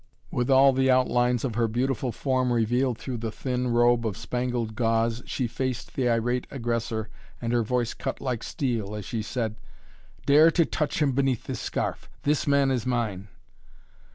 With all the outlines of her beautiful form revealed through the thin robe of spangled gauze she faced the irate aggressor and her voice cut like steel as she said: "Dare to touch him beneath this scarf! This man is mine."